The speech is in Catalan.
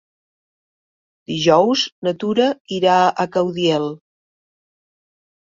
Dijous na Tura irà a Caudiel.